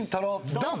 ドン！